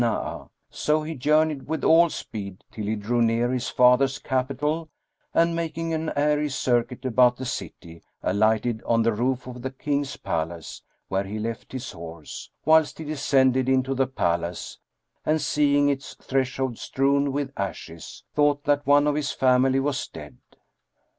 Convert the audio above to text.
[FN#19] So he journeyed with all speed, till he drew near his father's capital and, making an airy circuit about the city, alighted on the roof of the King's palace, where he left his horse, whilst he descended into the palace and seeing its threshold strewn with ashes, though that one of his family was dead.